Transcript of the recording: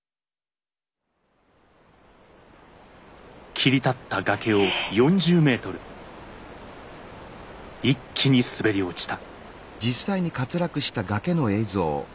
切り立った崖を４０ｍ一気に滑り落ちた。